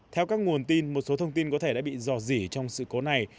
theo các nguồn tin một số thông tin có thể đã bị dò dỉ trong sự cố này